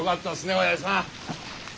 おやじさん。